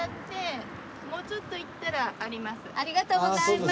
ありがとうございます。